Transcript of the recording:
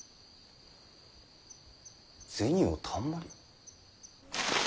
銭をたんまり。